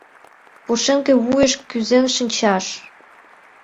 Пушеҥге вуйыш кӱзен шинчаш?